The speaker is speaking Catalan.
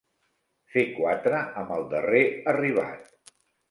Fer quatre amb el darrer arribat.